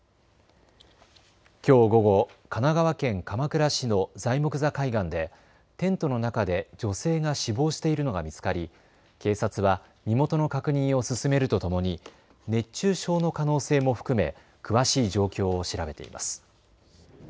きょう午後、神奈川県鎌倉市の材木座海岸でテントの中で女性が死亡しているのが見つかり警察は身元の確認を進めるとともに熱中症の可能性も含め詳しい状況を調べています。